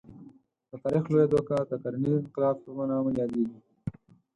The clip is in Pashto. د تاریخ لویه دوکه د کرنیز انقلاب په نامه یادېږي.